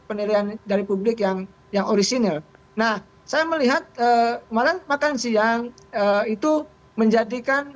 penilaian dari publik yang yang orisinil nah saya melihat malam makan siang itu menjadikan